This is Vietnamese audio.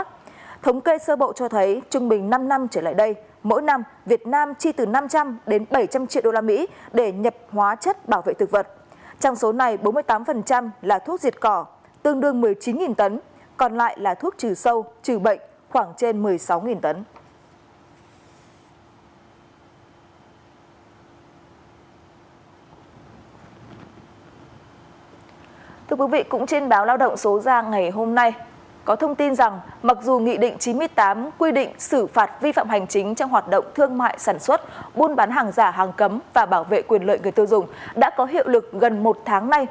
theo nghị định số chín trăm tám mươi hai nghìn hai mươi ndcp về quy định xử phạt vi phạm hành chính trong hoạt động thương mại sản xuất buôn bán hàng giả hàng cấm và bảo vệ quyền lợi người tiêu dùng